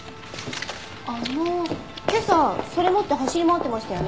あの今朝それ持って走り回ってましたよね？